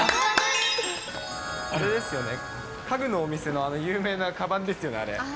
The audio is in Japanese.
あれですよね、家具のお店の有名なかばんですよね、あれ。